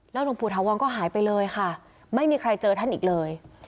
หลวงปู่ถาวรก็หายไปเลยค่ะไม่มีใครเจอท่านอีกเลย